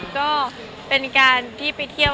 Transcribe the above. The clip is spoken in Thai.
ก็เป็นการที่ไปเที่ยว